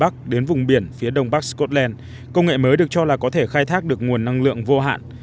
công nghệ mới được cho là có thể khai thác được nguồn năng lượng vô hạn